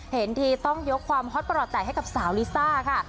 เห็นทีต้องยกความฮอตประหล่อแตกให้กับสาวลิซ่าค่ะ